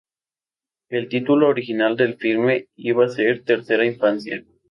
El título original del filme iba a ser Tercera Infancia.